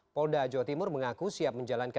pol da jawa timur mengaku siap menjalankan instruksi